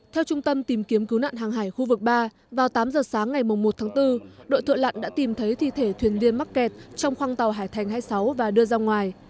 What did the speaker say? theo trung tâm tìm kiếm cứu nạn hàng hải khu vực ba vào tám giờ sáng ngày một tháng bốn đội thợ lặn đã tìm thấy thi thể thuyền viên mắc kẹt trong khoang tàu hải thành hai mươi sáu và đưa ra ngoài